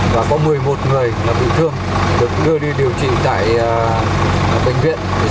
và có một mươi một người bị thương được đưa đi điều trị tại bệnh viện